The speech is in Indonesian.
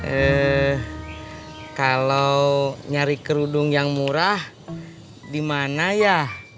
eee kalau nyari kerudung yang murah dimana ya